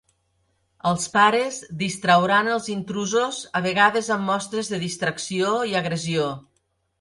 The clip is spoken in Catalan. Els pares distrauran els intrusos a vegades amb mostres de distracció i agressió.